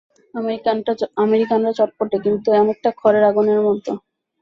আমেরিকানরা চটপটে, কিন্তু অনেকটা খড়ের আগুনের মত।